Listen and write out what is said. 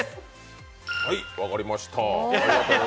はい、分かりました。